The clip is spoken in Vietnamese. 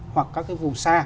hoặc các cái vùng xa